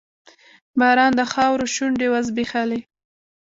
باران د خاورو شونډې وځبیښلې